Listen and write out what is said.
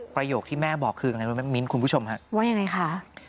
ประโยคที่แม่บอกคืออะไรรู้ไหมมิ้นคุณผู้ชมฮะว่ายังไงคะ